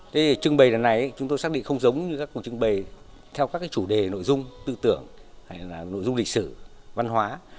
thế thì trưng bày lần này chúng tôi xác định không giống như các cuộc trưng bày theo các chủ đề nội dung tư tưởng hay là nội dung lịch sử văn hóa